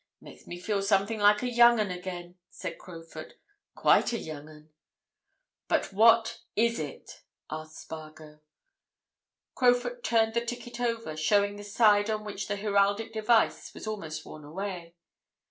It makes me feel something like a young 'un again!" said Crowfoot. "Quite a young 'un!" "But what is it?" asked Spargo. Crowfoot turned the ticket over, showing the side on which the heraldic device was almost worn away.